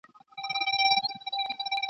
له سهاره تر ماښامه به کړېږم ..